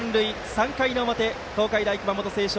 ３回の表、東海大熊本星翔